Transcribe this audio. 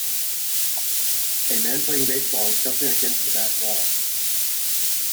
A man playing baseball is jumping against the back wall.